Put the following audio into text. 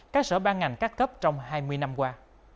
các sở ban ngành các cấp trong hai mươi năm qua